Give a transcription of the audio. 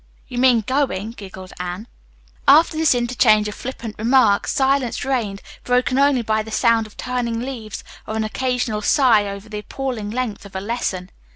'" "You mean going," giggled Anne. After this interchange of flippant remarks silence reigned, broken only by the sound of turning leaves or an occasional sigh over the appalling length of a lesson.